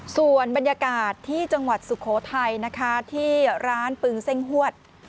ส่วนบรรยากาศที่จังหวัดสุโขทัยนะคะที่ร้านปึงเซ่งฮวด